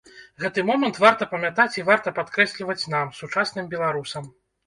Гэты момант варта памятаць і варта падкрэсліваць нам, сучасным беларусам.